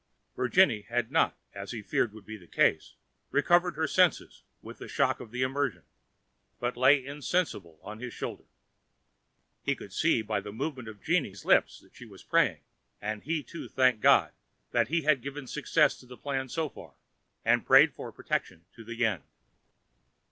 Virginie had not, as he feared would be the case, recovered her senses with the shock of the immersion, but lay insensible on his shoulder. He could see by the movement of Jeanne's lips that she was praying, and he too thanked God that He had given success to the plan so far, and prayed for protection to the end.